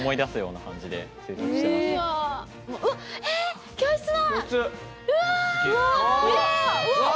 うわ！